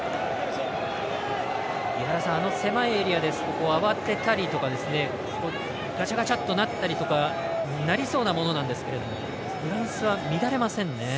あの狭いエリアですと慌てたりとかがちゃがちゃっとなったりとかなりそうなものなんですけどフランスは乱れませんね。